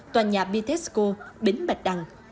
tòa nhà pitexco bến bạch đằng